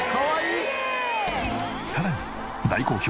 さらに大好評！